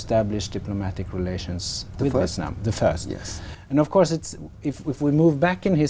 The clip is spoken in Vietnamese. tham gia vào quốc gia ở quốc gia